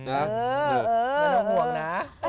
เอออย่าต้องห่วงนะ